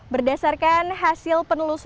berdasarkan hasil penelusuran kami